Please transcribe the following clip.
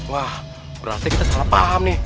wah gue rasanya kita salah paham nih